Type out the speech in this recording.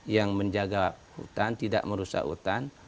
yang menjaga hutan tidak merusak hutan